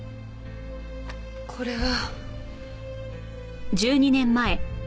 これは。